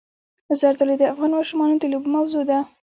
زردالو د افغان ماشومانو د لوبو موضوع ده.